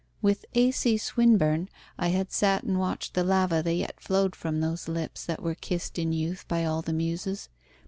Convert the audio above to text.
With A.C. Swinburne I had sat and watched the lava that yet flowed from those lips that were kissed in youth by all the Muses.